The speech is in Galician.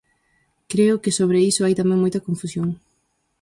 Creo que sobre iso hai tamén moita confusión.